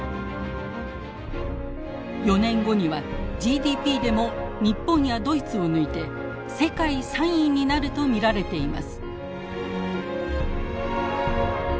４年後にはＧＤＰでも日本やドイツを抜いて世界３位になると見られています。